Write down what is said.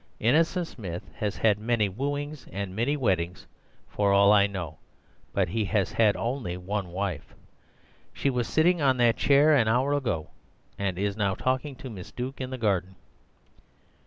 Innocent Smith has had many wooings, and many weddings for all I know; but he has had only one wife. She was sitting on that chair an hour ago, and is now talking to Miss Duke in the garden.